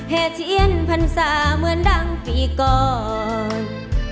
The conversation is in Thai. เหมือนดังปีก่อน